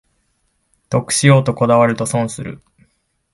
得しようとこだわると損する